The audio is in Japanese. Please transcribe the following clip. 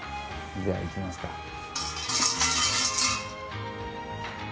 じゃあいきますか。